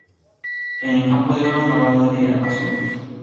En campo de oro, una banda de azur.